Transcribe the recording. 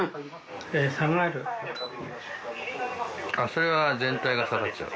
・それは全体が下がっちゃう。